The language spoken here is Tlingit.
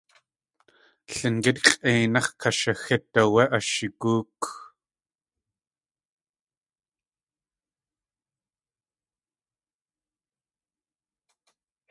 Lingít x̲ʼéináx̲ kashxeet áwé ashigóok.